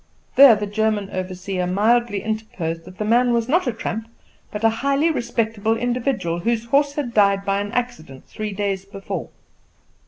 There the German overseer mildly interposed that the man was not a tramp, but a highly respectable individual, whose horse had died by an accident three days before.